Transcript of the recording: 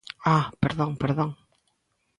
¡Ah, perdón, perdón!